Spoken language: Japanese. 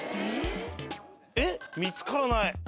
えっ見つからない。